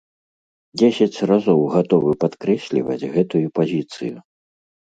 Дзесяць разоў гатовы падкрэсліваць гэтую пазіцыю!